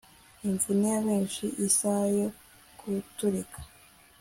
Imvune ya benshi isaha yo guturika